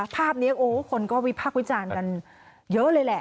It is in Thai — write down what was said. ภาพนี้โอ้คนก็วิพากษ์วิจารณ์กันเยอะเลยแหละ